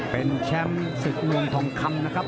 เป็นแชมป์ศึกเมืองทองคำนะครับ